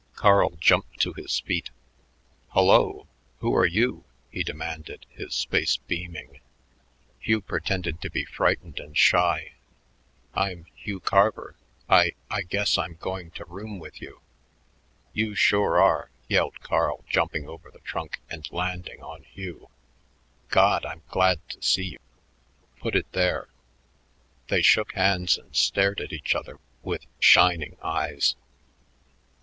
Carl jumped to his feet. "Hullo who are you?" he demanded, his face beaming. Hugh pretended to be frightened and shy. "I'm Hugh Carver. I I guess I'm going to room with you." "You sure are!" yelled Carl, jumping over the trunk and landing on Hugh. "God! I'm glad to see you. Put it there." They shook hands and stared at each other with shining eyes.